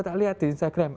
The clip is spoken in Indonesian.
tidak lihat di instagram